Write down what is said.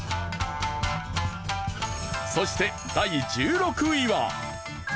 そして第１６位は。